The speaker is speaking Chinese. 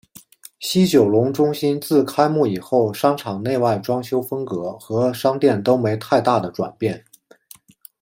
西九龙中心自开幕以后商场内外装修风格和商店都没太大的转变。